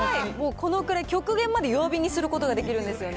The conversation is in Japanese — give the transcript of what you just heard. このくらい、極限まで弱火にすることができるんですよね。